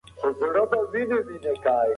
ډېر لوستل شوي کتابونه ناول او شعر دي.